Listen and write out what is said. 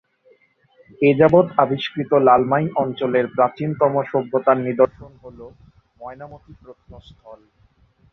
এযাবৎ আবিষ্কৃত লালমাই অঞ্চলের প্রাচীনতম সভ্যতার নিদর্শন হল ময়নামতি প্রত্নস্থল।